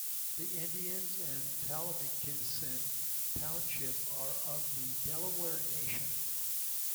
The Indians of Towamencin Township are of the Delaware Nation.